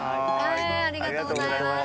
えありがとうございました。